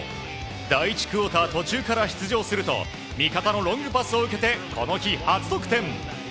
第１クオーター途中から出場すると味方のロングパスを受けてこの日、初得点。